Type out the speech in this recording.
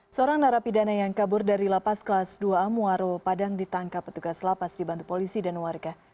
seorang narapidana yang kabur dari lapas kelas dua a muaro padang ditangkap petugas lapas dibantu polisi dan warga